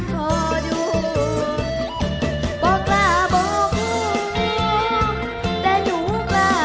ก็คิดถึงคำที่พ่อแม่เที่ยวบอกไว้